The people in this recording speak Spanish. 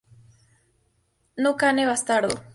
Nu cane bastardo.